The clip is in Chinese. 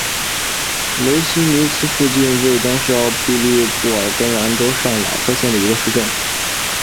雷希尼茨附近魏登是奥地利布尔根兰州上瓦特县的一个市镇。